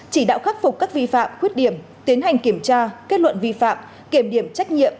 chỉ đạo khắc phục các vi phạm khuyết điểm tiến hành kiểm tra kết luận vi phạm kiểm điểm trách nhiệm